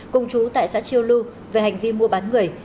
cùng chú tại xã chiêu lưu về hành vi mua bán người